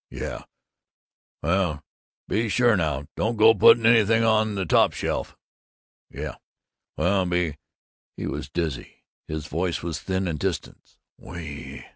"Well, be sure now. Don't go putting anything on this top shelf." "Yeh." "Well, be " He was dizzy. His voice was thin and distant. "Whee!"